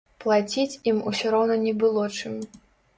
Плаціць ім усё роўна не было чым.